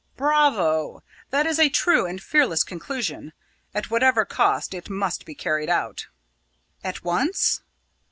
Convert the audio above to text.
"Bravo! That is a true and fearless conclusion. At whatever cost, it must be carried out." "At once?"